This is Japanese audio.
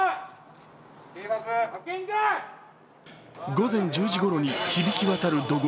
午前１０時ごろに響き渡る怒号。